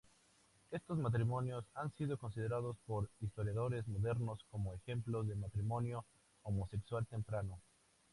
Estos matrimonios han sido considerados por historiadores modernos como ejemplos de matrimonio homosexual temprano.